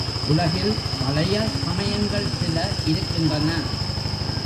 உலகில் பழைய சமயங்கள் சில இருக்கின்றன.